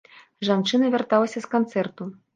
Жанчына вярталася з канцэрту.